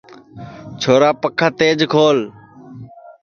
چھورا پکھا تیج کھول